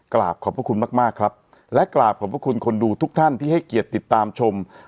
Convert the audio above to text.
กราบขอบคุณมากครับและกราบขอบคุณคนดูทุกท่านที่ให้เกียรติตามชม